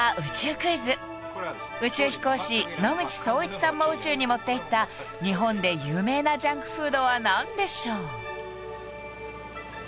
クイズ宇宙飛行士野口聡一さんも宇宙に持っていった日本で有名なジャンクフードは何でしょう？